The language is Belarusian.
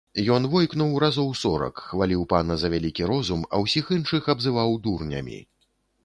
Ён войкнуў разоў сорак, хваліў пана за вялікі розум, а ўсіх іншых абзываў дурнямі.